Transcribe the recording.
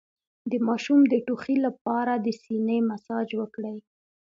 د ماشوم د ټوخي لپاره د سینه مساج وکړئ